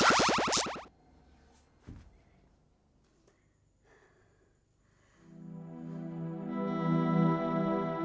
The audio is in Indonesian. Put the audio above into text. kau akan kembali